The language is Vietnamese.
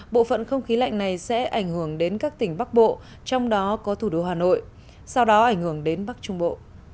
bộ phận không khí lạnh này sẽ ảnh hưởng đến các tỉnh bắc bộ trong đó có thủ đô hà nội sau đó ảnh hưởng đến bắc trung bộ